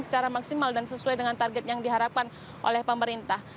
secara maksimal dan sesuai dengan target yang diharapkan oleh pemerintah